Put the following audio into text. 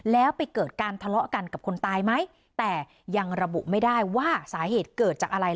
แล้วไปเกิดการทะเลาะกันกับคนตายไหมแต่ยังระบุไม่ได้ว่าสาเหตุเกิดจากอะไร